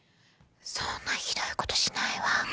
そんなひどいことしないわ。